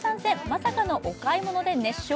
まさかのお買い物で熱唱？